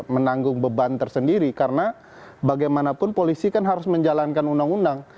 menanggung beban tersendiri karena bagaimanapun polisi kan harus menjalankan undang undang